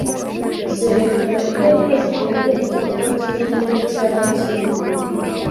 zerekana ingaruka ziterwa n’igikorwa kibi n’iyo cyaba kimwe.